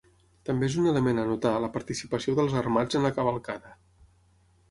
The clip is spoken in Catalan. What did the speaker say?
També és un element a anotar la participació dels Armats en la cavalcada.